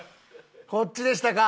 こっちでしたか。